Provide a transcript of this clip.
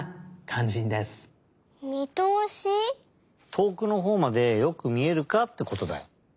とおくのほうまでよくみえるかってことだよ。